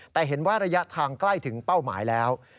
แต่เห็นว่าระยะทางใกล้ถึงเป้าหมายแล้ว